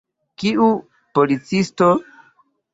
Kiu policisto?